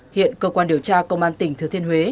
hiện cơ quan điều tra công an tỉnh thừa thiên huế